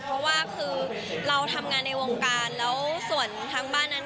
เพราะว่าคือเราทำงานในวงการแล้วส่วนทางบ้านนั้น